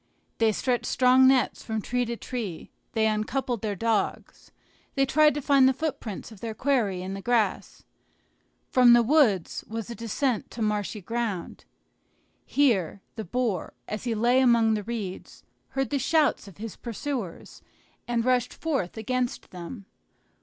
They stretched strong nets from tree to tree; they uncoupled their dogs, they tried to find the footprints of their quarry in the grass. From the wood was a descent to marshy ground. Here the boar, as he lay among the reeds, heard the shouts of his pursuers, and rushed forth against them.